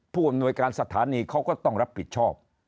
ผู้อำนวยการสถานีเขาก็ต้องรับผิดชอบ